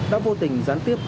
đã vô tình gián tiếp